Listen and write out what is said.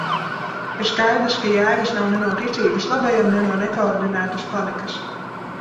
Ir skaidrs, ka jēgas nav ne no ticības labajam, ne no nekoordinētas panikas.